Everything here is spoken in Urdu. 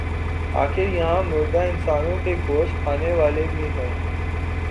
آخر یہاں مردہ انسانوں کے گوشت کھانے والے بھی ہیں۔